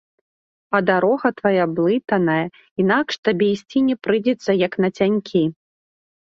А дарога твая блытаная, інакш табе ісці не прыйдзецца, як нацянькі.